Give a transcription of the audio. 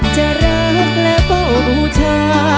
จะรักและเบาบูชา